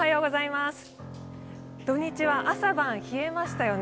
土日は朝晩冷えましたよね。